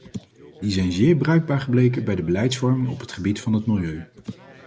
Die zijn zeer bruikbaar gebleken bij de beleidsvorming op het gebied van het milieu.